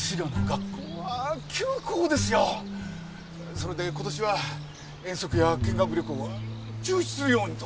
それで今年は遠足や見学旅行は中止するようにと。